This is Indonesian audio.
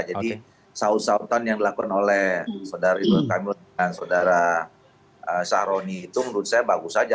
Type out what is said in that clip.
jadi sautan sautan yang dilakukan oleh saudara ibu kak emil dan saudara saroni itu menurut saya bagus saja